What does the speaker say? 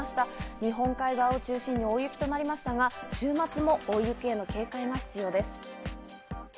日本海側を中心に大雪となりましたが、週末も大雪への警戒が必要です。